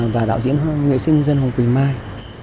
và đạo diễn nghệ sinh nhân dân hồng quỳnh mai